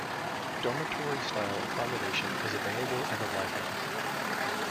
Dormitory-style accommodation is available in the lighthouse.